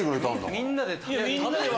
みんなで食べれば。